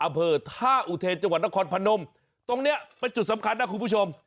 อำเภอท่าอุเทนจังหวัดนครพนมตรงเนี้ยเป็นจุดสำคัญนะคุณผู้ชม